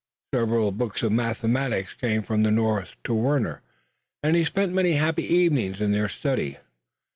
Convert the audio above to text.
Several books of mathematics came from the North to Warner and he spent many happy evenings in their study.